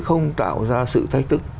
không tạo ra sự thách thức